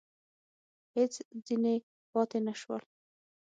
هېڅ ځني پاته نه شول !